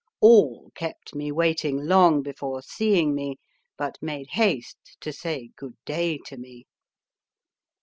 All kept me waiting long before seeing me, but made haste to say Good day to me.